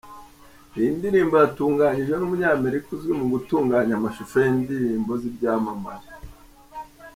Iyi ndirimbo yatunganyijwe n'umunyamerika uzwi mu gutunganya amashusho y'indirimbo z'ibyamamare.